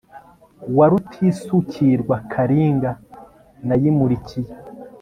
wa Rutisukirwa Kalinga nayimulikiye